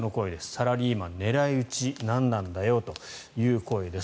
サラリーマン狙い撃ち何なんだよという声です。